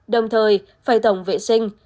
đồng thời phải tổng vệ sinh